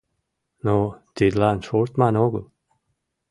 — Ну, тидлан шортман огыл.